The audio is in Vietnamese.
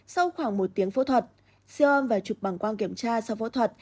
sau khoảng một tiếng phẫu thuật sion và chụp bảng quang kiểm tra sau phẫu thuật